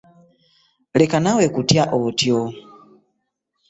Leka naawe kutya otyo.